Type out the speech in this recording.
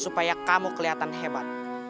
supaya kamu kelihatan hebat